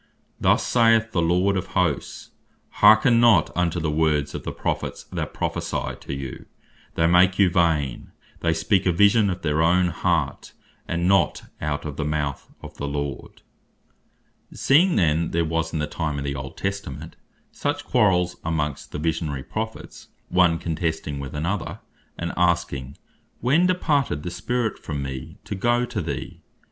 "Thus saith the Lord of Hosts, hearken not unto the words of the Prophets, that prophecy to you. They make you vain, they speak a Vision of their own heart, and not out of the mouth of the Lord." All Prophecy But Of The Soveraign Prophet Is To Be Examined By Every Subject Seeing then there was in the time of the Old Testament, such quarrells amongst the Visionary Prophets, one contesting with another, and asking When departed the Spirit from me, to go to thee?